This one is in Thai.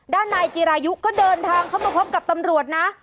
ด้านนายจิรายุก็เดินทางเข้ามาพบกับตำรวจนะ